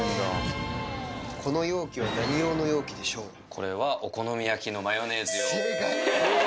これはお好み焼きのマヨネー正解。